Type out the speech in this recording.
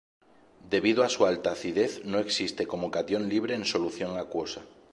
Debido a su alta acidez no existe como catión libre en solución acuosa.